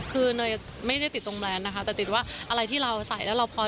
คือเนยไม่ได้ติดตรงแบรนด์นะคะแต่ติดว่าอะไรที่เราใส่แล้วเราพอ